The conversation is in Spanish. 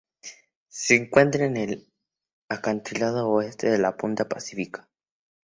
Se encuentra entre el acantilado Oeste y la punta Pacífica.